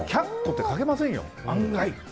１００個って書けませんよ、案外。